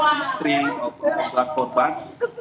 istri maupun korban korban